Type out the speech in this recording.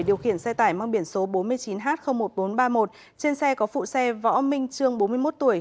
điều khiển xe tải mang biển số bốn mươi chín h một nghìn bốn trăm ba mươi một trên xe có phụ xe võ minh trương bốn mươi một tuổi